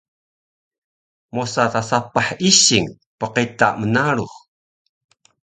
mosa ta sapah ising pqita mnarux